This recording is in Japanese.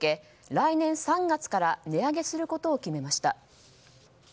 来年３月から値上げすることを決めました。